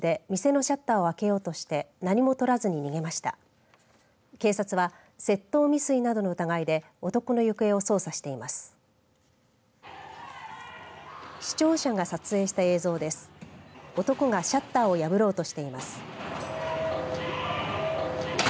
男がシャッターを破ろうとしています。